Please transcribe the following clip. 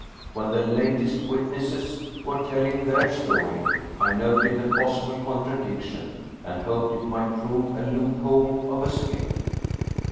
When the latest witnesses were telling their story, I noted the possible contradiction, and hoped it might prove a loophole of escape.